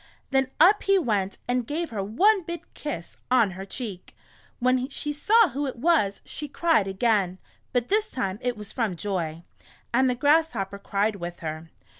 Then up he went and gave her one big kiss on her cheek. When she saw who it was, she cried again, but this time it was from joy, and the Grasshopper cried with her.